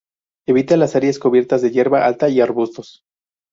Evita las áreas cubiertas de hierba alta y arbustos.